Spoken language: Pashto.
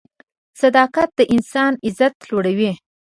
صداقت د انسان عزت لوړوي.